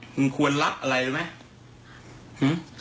มึงควรรับอะไรหรือไม่